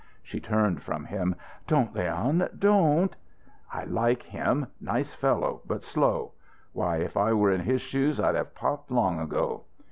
She turned from him. "Don't, Leon don't " "I like him! Nice fellow, but too slow! Why, if I were in his shoes, I'd have popped long ago."